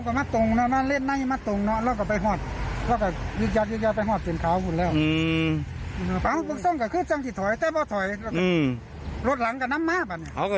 เบื้องห้อยเบกน่ะเป็นห้อยเบกสองสองห้อยอันตรอรถหลังกับเบก